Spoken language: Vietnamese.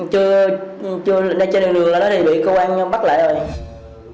chưa lên đây trên đường đường là bị cơ quan bắt lại rồi